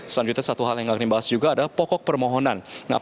selanjutnya satu hal yang akan dibahas juga adalah pokok permohonan